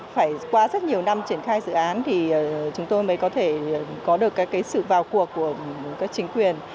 phải qua rất nhiều năm triển khai dự án thì chúng tôi mới có thể có được sự vào cuộc của các chính quyền